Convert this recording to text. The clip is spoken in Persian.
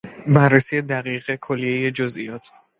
بررسی دقیق کلیهی جزئیات